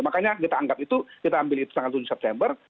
makanya kita anggap itu kita ambil itu tanggal tujuh september